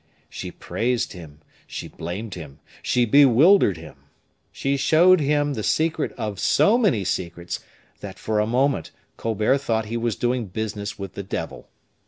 She praised him, she blamed him, she bewildered him. She showed him the secret of so many secrets that, for a moment, Colbert thought he was doing business with the devil.